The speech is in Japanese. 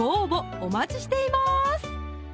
お待ちしています